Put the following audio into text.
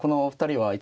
はい。